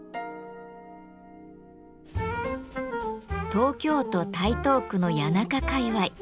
東京都台東区の谷中界わい。